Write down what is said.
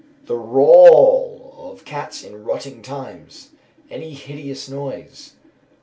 _ The wrawl of cats in rutting times; any hideous noise.